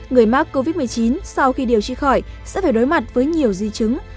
người mắc covid một mươi chín sau khi điều trị khỏi sẽ phải đối mặt với nhiều di chứng